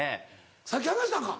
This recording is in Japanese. さっき話したんか？